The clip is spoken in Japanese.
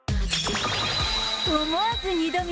思わず二度見！